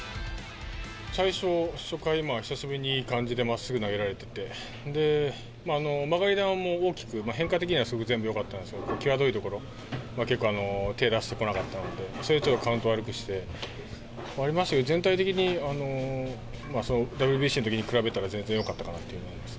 最初、初回、久しぶりにいい感じでまっすぐ投げられてて、で、曲がり球も大きく、変化的にはすごく全部よかったんですけど、際どい所、結構手出してこなかったので、それでちょっとカウント悪くして、ありましたけど、全体的にＷＢＣのときに比べたら全然よかったなと思います。